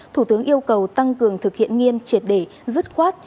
thủ tướng yêu cầu tăng cường thực hiện nghiêm triệt đề rứt khoát